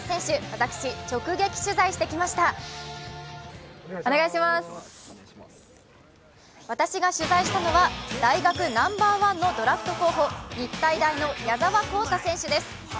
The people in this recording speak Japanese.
私が取材したのは大学ナンバーワンのドラフト候補、日体大の矢澤宏太選手です。